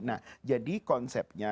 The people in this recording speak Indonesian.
nah jadi konsepnya